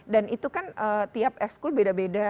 dan itu kan tiap ekskul beda beda